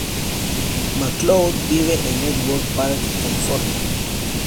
McCloud vive en Newbury Park, California.